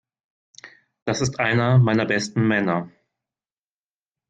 Das ist einer meiner besten Männer.